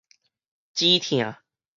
止疼